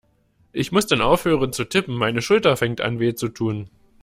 Ich muss dann aufhören zu tippen, meine Schulter fängt an weh zu tun.